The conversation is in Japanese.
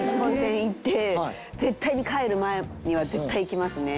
絶対に帰る前には絶対行きますね。